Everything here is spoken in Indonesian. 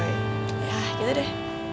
ya gitu deh